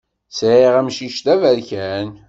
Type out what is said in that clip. Sɛiɣ amcic d aberkan.